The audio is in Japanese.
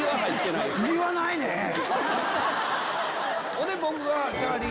ほんで僕は。